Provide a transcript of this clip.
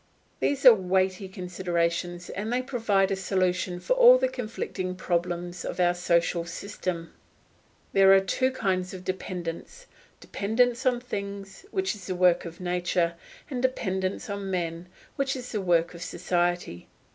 These are weighty considerations, and they provide a solution for all the conflicting problems of our social system. There are two kinds of dependence: dependence on things, which is the work of nature; and dependence on men, which is the work of society.